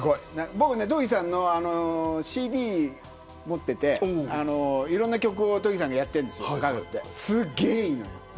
東儀さんのＣＤを持っていていろんな曲を東儀さんがやっているんですけどすごくいいのよ。